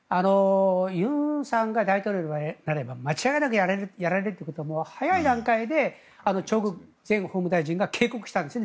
ユンさんが大統領になれば間違いなくやられることは早い段階でチョ・グク前法務大臣が警告したんですね。